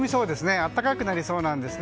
暖かくなりそうなんですね。